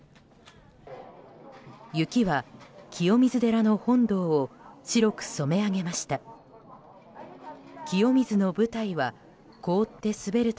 雪は清水寺の本堂を白く染め上げました。